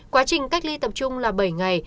quá trình cách ly tập trung là bảy ngày